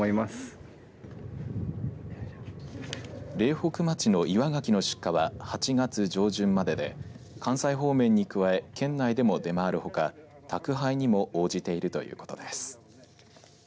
苓北町の岩がきの出荷は８月上旬までで関西方面に加え県内でも出回るほか宅配にも応じているということです。